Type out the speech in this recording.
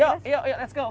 yuk yuk yuk let's go